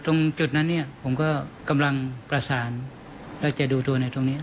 ตรงจุดนั้นเนี่ยผมก็กำลังประสานแล้วจะดูตัวในตรงนี้